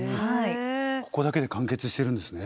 ここだけで完結してるんですね。